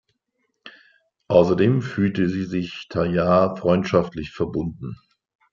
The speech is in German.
Außerdem fühlte sie sich Talleyrand freundschaftlich verbunden.